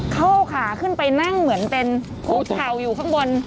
เข้าขาขึ้นไปนั่งเหมือนเป็นคุกเข่าอยู่ข้างบน